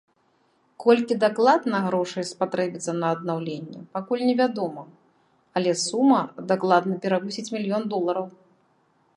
Колькі дакладна грошай спатрэбіцца на аднаўленне, пакуль невядома, але сума дакладна перавысіць мільён долараў.